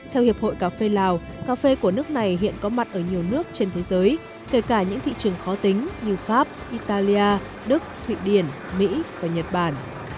theo hiệp hội cà phê lào cà phê của nước này hiện có mặt ở nhiều nước trên thế giới kể cả những thị trường khó tính như pháp italia đức thụy điển mỹ và nhật bản